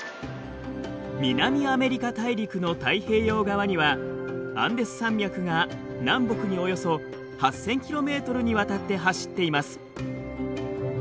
南アメリカ大陸の太平洋側にはアンデス山脈が南北におよそ８，０００ｋｍにわたって走っています。